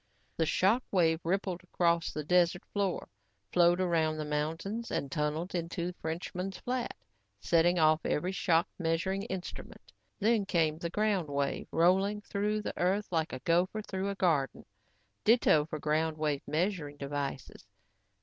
The shock wave rippled across the desert floor, flowed around the mountains and tunneled into Frenchman's Flat, setting off every shock measuring instrument. Then came the ground wave, rolling through the earth like a gopher through a garden. Ditto for ground wave measuring devices.